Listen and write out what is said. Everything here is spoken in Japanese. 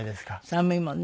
寒いもんね。